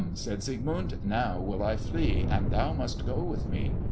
said Siegmund; "now will I flee, and thou must go with me.